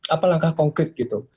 apa langkah konkret gitu